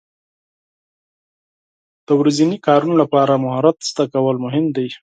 د ورځني کارونو لپاره مهارت زده کول مهم دي.